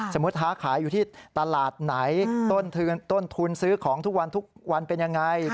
ค้าขายอยู่ที่ตลาดไหนต้นทุนซื้อของทุกวันทุกวันเป็นยังไง